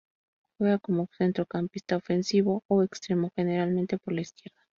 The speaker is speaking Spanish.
Juega como centrocampista ofensivo o extremo, generalmente por la izquierda.